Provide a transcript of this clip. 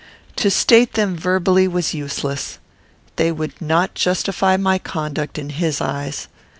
To state them verbally was useless. They would not justify my conduct in his eyes.